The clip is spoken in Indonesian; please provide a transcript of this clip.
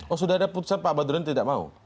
oh sudah ada putusan pak badrun tidak mau